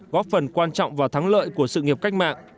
góp phần quan trọng vào thắng lợi của sự nghiệp cách mạng